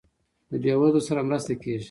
د بیوزلو سره مرسته کیږي؟